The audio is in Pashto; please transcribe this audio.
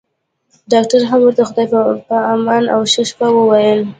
ډاکټر هم ورته خدای په امان او ښه شپه وويله.